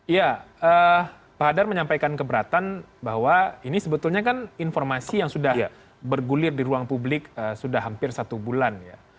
ya pak hadar menyampaikan keberatan bahwa ini sebetulnya kan informasi yang sudah bergulir di ruang publik sudah hampir satu bulan ya